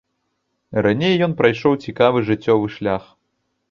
Раней ён прайшоў цікавы жыццёвы шлях.